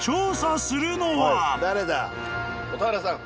蛍原さん